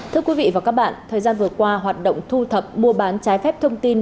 thưa quý vị và các bạn thời gian vừa qua hoạt động thu thập mua bán trái phép thông tin